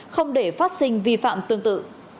không để phát sinh vi phạm tương tự